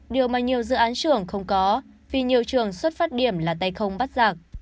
điều mà nhiều dự án trưởng không có vì nhiều trường xuất phát điểm là tay không bắt giạc